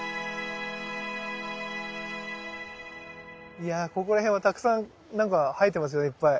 いやここら辺はたくさん何か生えてますよねいっぱい。